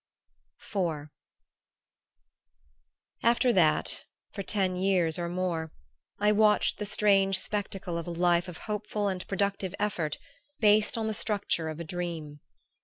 IV After that, for ten years or more, I watched the strange spectacle of a life of hopeful and productive effort based on the structure of a dream.